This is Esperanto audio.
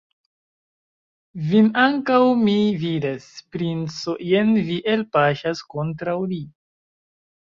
Vin ankaŭ mi vidas, princo, jen vi elpaŝas kontraŭ li.